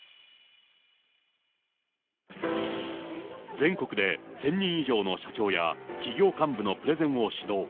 全国で１０００人以上の社長や企業幹部のプレゼンを指導。